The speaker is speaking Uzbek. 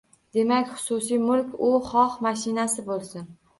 Demak, xususiy mulk – u xoh mashina bo‘lsin